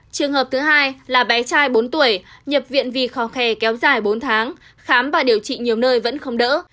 trường hợp thứ hai là bé trai bốn tuổi nhập viện vì khó khè kéo dài bốn tháng khám và điều trị nhiều nơi vẫn không đỡ